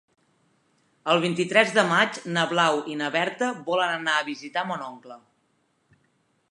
El vint-i-tres de maig na Blau i na Berta volen anar a visitar mon oncle.